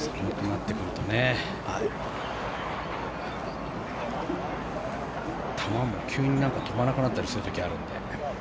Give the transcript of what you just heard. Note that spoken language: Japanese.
寒くなってくるとね球も急に飛ばなくなったりする時があるので。